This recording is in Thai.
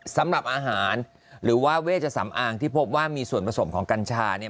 สำหรับอาหารหรือว่าเวชสำอางที่พบว่ามีส่วนผสมของกัญชาเนี่ย